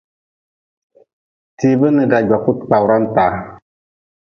Tiibe n dagwaku kpawra-n taa.